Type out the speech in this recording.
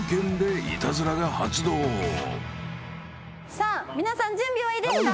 さあ皆さん準備はいいですか？